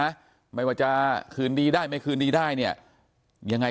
เพราะไม่เคยถามลูกสาวนะว่าไปทำธุรกิจแบบไหนอะไรยังไง